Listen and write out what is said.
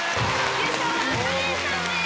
優勝はカレンさんです！